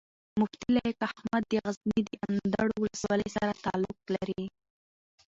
مفتي لائق احمد د غزني د اندړو ولسوالۍ سره تعلق لري